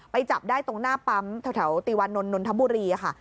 จับได้ตรงหน้าปั๊มแถวติวานนท์นนทบุรีค่ะ